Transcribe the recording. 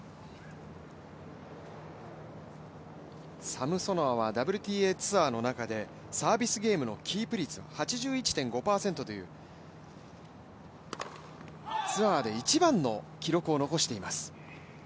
サムソノワはＷＴＡツアーの中でサービスゲームのキープ率が８１．５％というツアーで一番の記録を残しています。